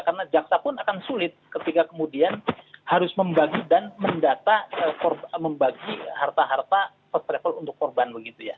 karena jaksa pun akan sulit ketika kemudian harus membagi dan mendata membagi harta harta first travel untuk korban begitu ya